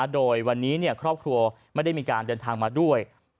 โดยวันนี้ครอบครัวไม่ได้มีการเดินทางมาด้วย